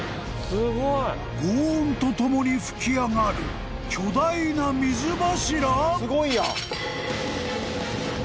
［ごう音とともに噴き上がる巨大な水柱！？］